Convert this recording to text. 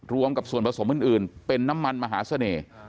รวมกับส่วนผสมอื่นเป็นน้ำมันมหาเสน่ห์